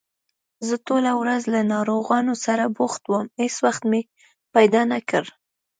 زه ټوله ورځ له ناروغانو سره بوخت وم، هېڅ وخت مې پیدا نکړ